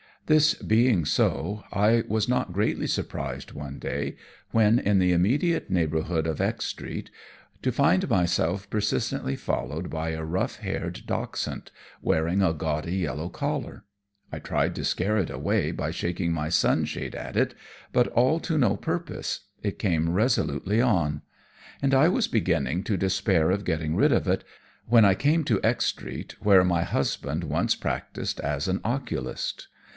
This being so, I was not greatly surprised one day, when in the immediate neighbourhood of X Street, to find myself persistently followed by a rough haired dachshund wearing a gaudy yellow collar. I tried to scare it away by shaking my sunshade at it, but all to no purpose it came resolutely on; and I was beginning to despair of getting rid of it, when I came to X Street, where my husband once practised as an oculist.